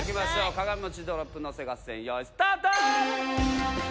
鏡もちドロップのせ合戦よいスタート！